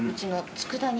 佃煮。